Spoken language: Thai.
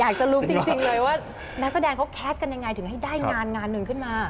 อยากจะรู้จริงเลยว่านักแสดงเขาแคสต์กันยังไงถึงให้ได้งานงานหนึ่งขึ้นมา